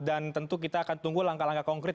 dan tentu kita akan tunggu langkah langkah konkret